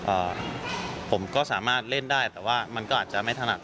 ผมก็สามารถเล่นได้แต่ว่ามันก็อาจจะไม่ถนัด